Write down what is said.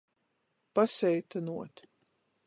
Paseitynuot.